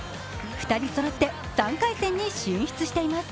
２人そろって３回戦に進出しています。